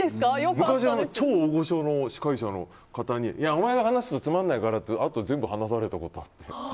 昔に超大御所の司会者の方にお前が話すとつまらないからってあと全部話されたことがあって。